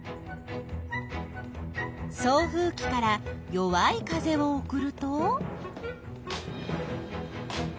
送風きから弱い風を送ると？